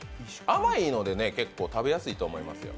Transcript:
甘いのでね、結構、食べやすいと思いますよ。